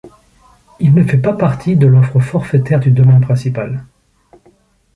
Il ne fait pas partie de l'offre forfaitaire du domaine principal.